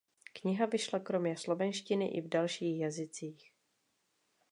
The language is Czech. Kniha vyšla kromě slovenštiny i v dalších jazycích.